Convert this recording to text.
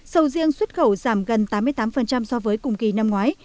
sầu riêng xuất khẩu giảm gần tám mươi tám so với cùng kỳ năm ngoái